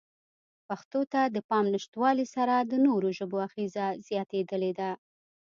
پښتو ته د پام نشتوالې سره د نورو ژبو اغېزه زیاتېدلې ده.